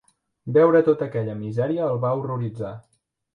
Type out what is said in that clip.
Veure tota aquella misèria el va horroritzar.